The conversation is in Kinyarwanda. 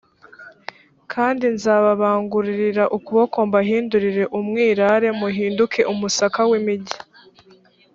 kandi nzababangurira ukuboko mbahindure umwirare muhinduke umusaka w’imigi